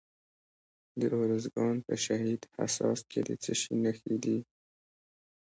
د ارزګان په شهید حساس کې د څه شي نښې دي؟